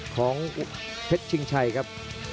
ของเพชรชิงชัยครับ